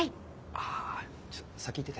ああちょっと先行ってて。